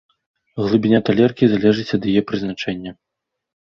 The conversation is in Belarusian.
Глыбіня талеркі залежыць ад яе прызначэння.